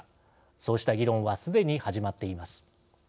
そうした議論はすでに始まっています。